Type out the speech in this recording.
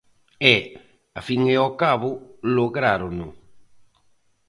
E, á fin e ó cabo, lográrono.